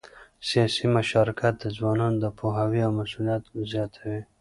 سیاسي مشارکت د ځوانانو د پوهاوي او مسؤلیت زیاتوي